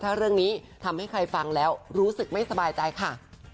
ถ้าเรื่องนี้ทำให้ใครฟังแล้วรู้สึกไม่สบายใจค่ะ